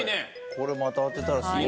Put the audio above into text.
これまた当てたらすごい。